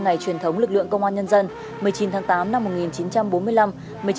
ngày truyền thống lực lượng công an nhân dân một mươi chín tháng tám năm một nghìn chín trăm bốn mươi năm